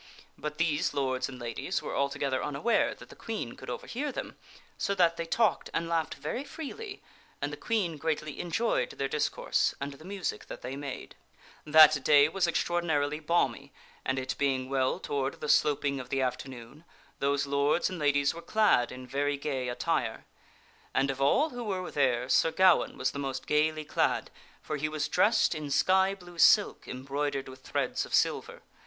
But these lords and ladies were altogether unaware that the Queen could overhear them, so that they talked and laughed very freely, and the Queen greatly enjoyed their dis course and the music that they made. 242 THE STORY OF SIR PELLIAS That day was extraordinarily balmy, and it being well toward the slop ing of the afternoon, those lords and ladies were clad in very gay attire. And. of all who were there Sir Gawaine was the most gayly clad, for he was dressed in sky blue silk embroidered with threads of silver.